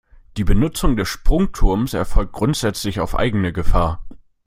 Die Benutzung des Sprungturms erfolgt grundsätzlich auf eigene Gefahr.